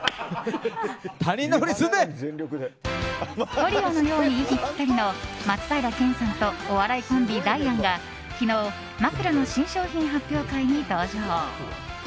トリオのように息ぴったりの松平健さんとお笑いコンビ・ダイアンが昨日、枕の新商品発表会に登場。